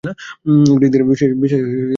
গ্রিকদের বিশ্বাসে তিনি দেবরাজ।